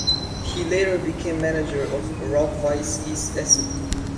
He later became manager of Rot-Weiss Essen.